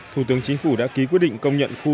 thủ tướng chính phủ đã ký quyết định công nhận khu